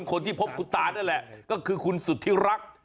คนที่พบคุณตานั่นแหละก็คือคุณสุธิรักษ์